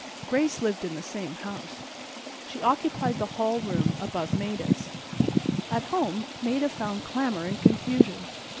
Grace lived in the same house. She occupied the hall room above Maida's. At home Maida found clamor and confusion.